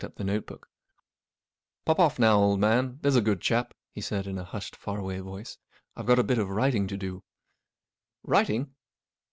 44 Pop off now, old man, there's a good chap," he said, in a hushed, far away voice. 44 I've got a bit of writing to do." 44 Writing